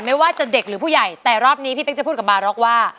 ไม่ว่าจะเด็กหรือผู้ใหญ่แต่รอบนี้พี่เป๊กจะพูดกับบาร็อกว่า